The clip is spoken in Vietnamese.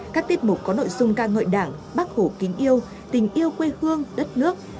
các tiết mục có nội dung ca ngợi đảng bác hồ kính yêu tình yêu quê hương đất nước